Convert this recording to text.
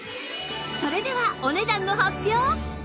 それではお値段の発表！